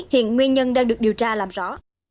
hiện nguyên nhân đang được điều tra làm rõ